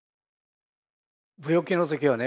病気の時はね